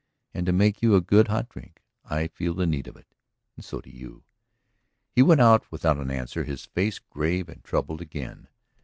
And to make you a good hot drink; I feel the need of it and so do you." He went out without an answer, his face grave and troubled again.